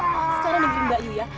rabbit ada paku di tempat